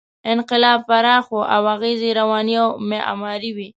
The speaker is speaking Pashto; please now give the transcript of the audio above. انقلاب پراخ و او اغېز یې رواني او معماري و.